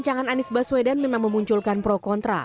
dan anies baswedan memang memunculkan pro kontra